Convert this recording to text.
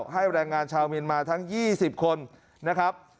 ให้แรงงานชาวเมียนมาทั้ง๒๐คนนะครับ